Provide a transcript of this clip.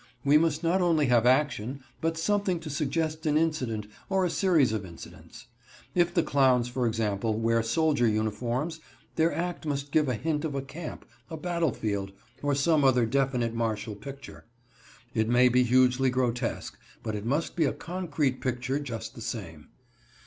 We must not only have action, but something to suggest an incident or a series of incidents. If the clowns, for example, wear soldier uniforms, their act must give a hint of a camp, a battlefield, or some other definite martial picture. It may be hugely grotesque, but it must be a concrete picture just the same.